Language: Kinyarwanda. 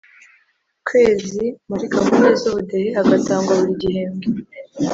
Kwezi muri gahunda z ubudehe agatangwa buri gihembwe